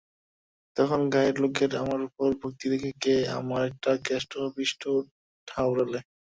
তখন গাঁয়ের লোকের আমার উপর ভক্তি দেখে কে! আমায় একটা কেষ্ট-বিষ্টু ঠাওরালে।